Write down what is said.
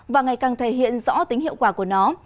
và ngày càng thể hiện rõ tính hiệu quả của nó